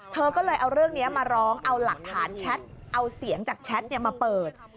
เธอก็เลยเอาเรื่องนี้มาร้องเอาหลักฐานแชทเอาเสียงจากแชทมาเปิด